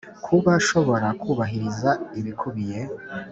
Kuba shobora kubahiriza ibikubiye